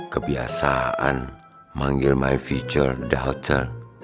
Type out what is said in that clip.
kebiasaan manggil my future doctor